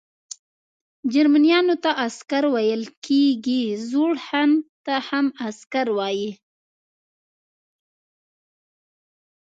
جرمنیانو ته عسکر ویل کیږي، زوړ هن ته هم عسکر وايي.